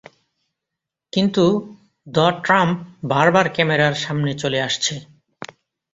কিন্তু the Trump বার বার ক্যামেরার সামনে চলে আসছে।